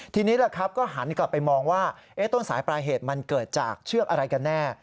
ทีนี้แหละครับก็หันกลับไปมองว่าต้นสายปลายเหตุมันเกิดจากเชือกอะไรกันแน่